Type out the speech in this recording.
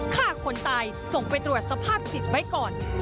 ฆ่าคนตายส่งไปตรวจสภาพจิตไว้ก่อน